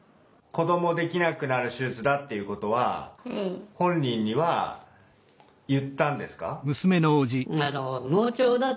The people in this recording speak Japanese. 子どもできなくなる手術だっていうことは本人には言ったんですか？